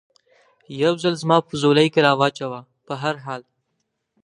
یو ځل زما په ځولۍ کې را و چوه، په هر حال.